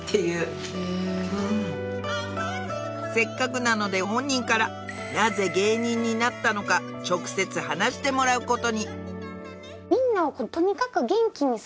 せっかくなので本人からなぜ芸人になったのか直接話してもらう事に